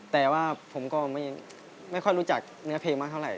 แต่ว่าผมก็ไม่ค่อยรู้จักเนื้อเพลงมากเท่าไห